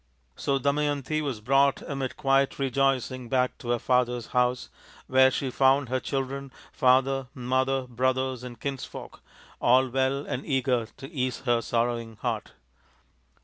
So Damayanti was brought amid quiet rejoicing back to her father's house, where she found her children, father, mother, brothers, and kinsfolk all well and eager to ease her sorrowing heart.